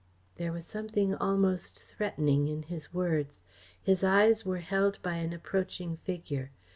There was something almost threatening in his words. His eyes were held by an approaching figure.